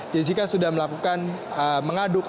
jessica sudah melakukan mengaduk